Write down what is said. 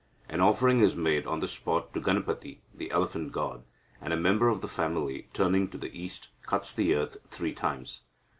An offering is made on the spot to Ganapathi (the elephant god), and a member of the family, turning to the east, cuts the earth three times.